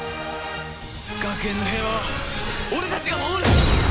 学園の平和は俺たちが守る！